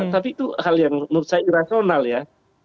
tapi itu hal yang menurut saya irasional ya